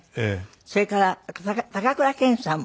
それから高倉健さんも？